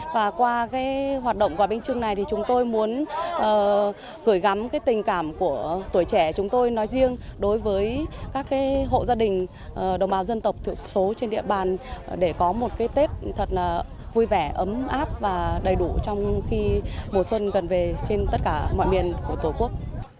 và qua cái hoạt động quà bánh trưng này thì chúng tôi muốn gửi gắm cái tình cảm của tuổi trẻ chúng tôi nói riêng đối với các hộ gia đình đồng bào dân tộc thiểu số trên địa bàn để có một cái tết thật là vui vẻ ấm áp và đầy đủ trong khi mùa xuân gần về trên tất cả mọi miền của tổ quốc